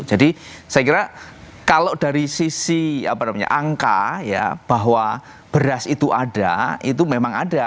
jadi saya kira kalau dari sisi apa namanya angka ya bahwa beras itu ada itu memang ada